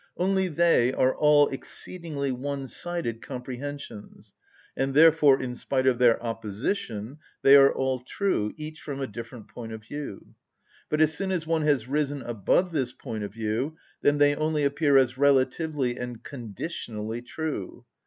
Only they are all exceedingly one‐sided comprehensions, and therefore, in spite of their opposition, they are all true, each from a definite point of view; but as soon as one has risen above this point of view, then they only appear as relatively and conditionally true.